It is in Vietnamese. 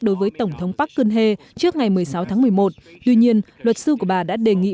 đối với tổng thống park geun hye trước ngày một mươi sáu tháng một mươi một tuy nhiên luật sư của bà đã đề nghị